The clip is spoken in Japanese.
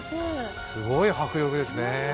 すごい迫力ですね。